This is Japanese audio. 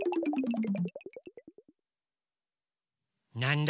なんだ？